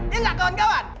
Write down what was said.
ya gak kawan kawan